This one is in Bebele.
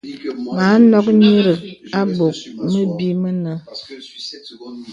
Mə anɔk nyìrìk a bɔk məbì mənə.